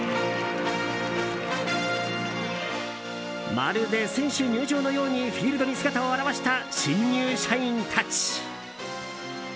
まるで選手入場のようにフィールドに姿を現した新入社員たち。